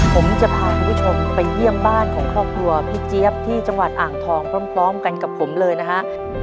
ผมจะพาคุณผู้ชมไปเยี่ยมบ้านของครอบครัวพี่เจี๊ยบที่จังหวัดอ่างทองพร้อมกันกับผมเลยนะฮะ